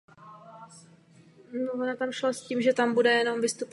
Méně často jde o postavy jiných světců.